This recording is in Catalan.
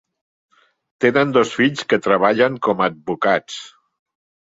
Tenen dos fills que treballen com a advocats.